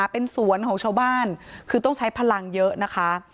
เป็นสวนของชาวบ้านคือต้องใช้พลังเยอะนะคะ